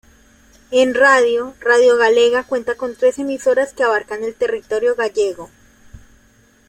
En radio, Radio Galega cuenta con tres emisoras que abarcan el territorio gallego.